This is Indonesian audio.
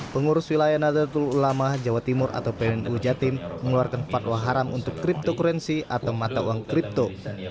pengurus wilayah nadratul ulama jawa timur atau pnu jatim mengeluarkan patwa haram untuk kriptokuransi atau mata uang kripto